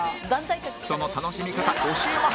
その楽しみ方教えます！